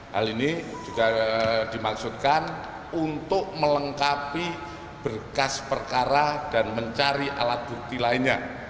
hal ini juga dimaksudkan untuk melengkapi berkas perkara dan mencari alat bukti lainnya